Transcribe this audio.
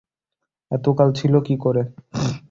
এতকাল ছিল কী করে?